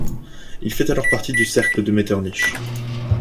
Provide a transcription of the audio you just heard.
Il fait alors partie du cercle de Metternich.